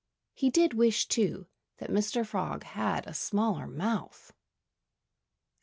He did wish, too, that Mr. Frog had a smaller mouth.